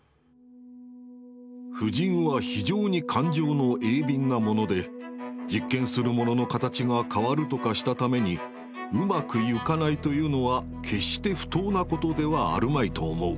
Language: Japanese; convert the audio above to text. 「婦人は非常に感情の鋭敏なもので実験する物の形が変るとかした為に上手く行かないと云うのは決して不当なことではあるまいと思う」。